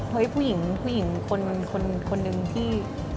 เฮ้ยผู้หญิงผู้หญิงคนนึงที่